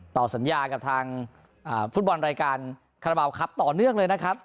ต่อสัญญากับทางฟุตบอลรายการคาราบาลครับต่อเนื่องเลยนะครับ